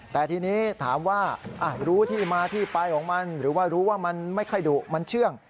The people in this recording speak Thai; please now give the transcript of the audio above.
แต่ทีนี้ถามว่ารู้ที่มาที่ไปของมันหรือว่ารู้ว่ามันไม่ค่อยดุมันเชื่อง